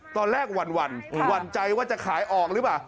หวั่นหวั่นใจว่าจะขายออกหรือเปล่า